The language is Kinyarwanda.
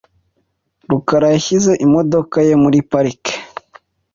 rukara yashyize imodoka ye muri parike .